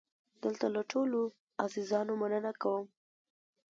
دلته له ټولو عزیزانو مننه کوم.